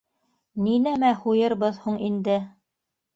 — Ни нәмә һуйырбыҙ һуң инде.